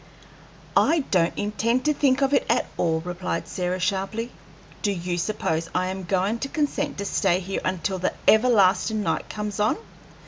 "I don't intend to think of it at all," replied Sarah, sharply. "Do you suppose I am goin' to consent to stay here until the everlastin' night comes on?